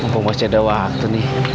mumpung wc ada waktu nih